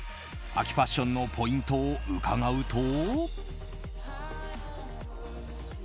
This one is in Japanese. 秋ファッションのポイントを伺うと。